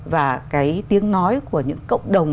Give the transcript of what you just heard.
và cái tiếng nói của những cộng đồng